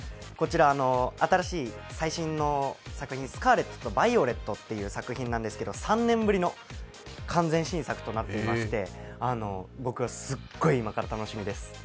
こちら新しい最新の作品、スカーレットとバイオレットという作品なんですけど、３年ぶりの完全新作となっていまして、僕は今からすっごい楽しみです。